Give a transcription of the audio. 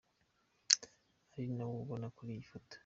Ari nawe ubona kuri iyi foto.